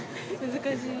難しい。